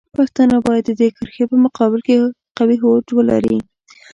پښتانه باید د دې کرښې په مقابل کې قوي هوډ ولري.